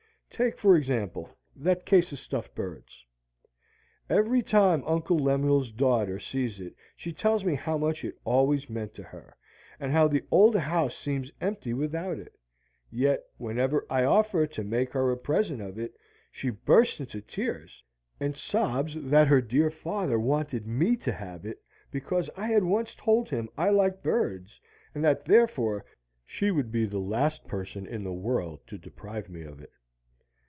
Take, for instance, that case of stuffed birds. Every time Uncle Lemuel's daughter sees it she tells me how much it always meant to her, and how the old house seems empty without it. Yet whenever I offer to make her a present of it she bursts into tears, and sobs that her dear father wanted me to have it, because I had once told him I liked birds, and that therefore she would be the last person in the world to deprive me of it.